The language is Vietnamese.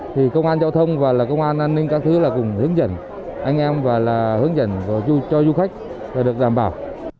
thì công an giao thông và công an an ninh các thứ là cùng hướng dẫn anh em và hướng dẫn cho du khách và được đảm bảo